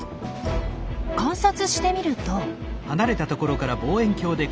観察してみると。